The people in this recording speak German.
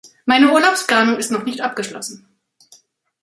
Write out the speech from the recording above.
Meine Urlaubsplanung ist noch nicht abgeschlossen.